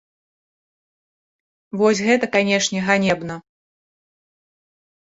Вось гэта, канешне, ганебна.